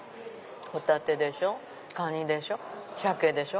ホタテでしょカニでしょサケでしょ